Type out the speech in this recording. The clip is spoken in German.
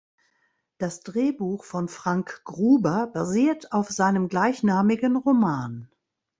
Das Drehbuch von Frank Gruber basiert auf seinem gleichnamigen Roman.